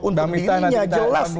untuk dirinya jelas